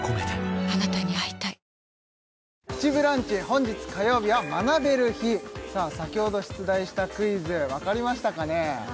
本日火曜日は学べる日さあ先ほど出題したクイズわかりましたかね？